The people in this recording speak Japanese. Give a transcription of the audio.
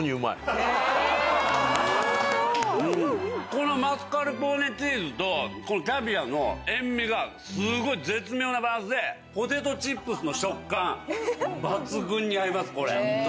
このマスカルポーネチーズとこのキャビアの塩味がすごい絶妙なバランスでポテトチップスの食感抜群に合いますこれ。